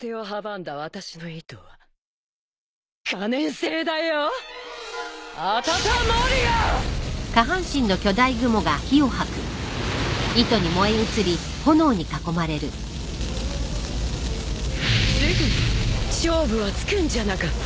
すぐに勝負はつくんじゃなかった？